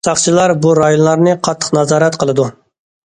ساقچىلار بۇ رايونلارنى قاتتىق نازارەت قىلىدۇ.